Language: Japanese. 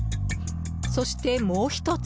そしてもう１つ。